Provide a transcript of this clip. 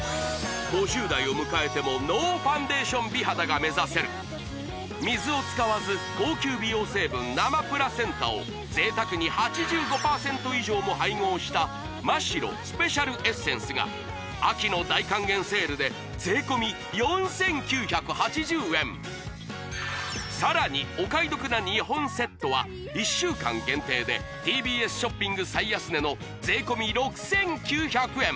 ５０代を迎えてもノーファンデーション美肌が目指せる水を使わず高級美容成分生プラセンタを贅沢に８５％以上も配合したマ・シロスペシャルエッセンスが秋の大還元セールで税込４９８０円さらにお買い得な２本セットは１週間限定でＴＢＳショッピング最安値の税込６９００円